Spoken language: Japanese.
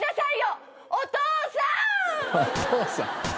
お父さん！